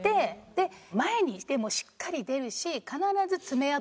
で前にいてもしっかり出るし。